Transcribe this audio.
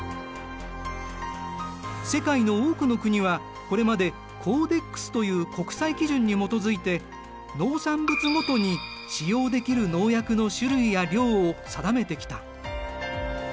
世界の多くの国はこれまでコーデックスという国際基準に基づいて農産物ごとに使用できる農薬の種類や量を定めてきた。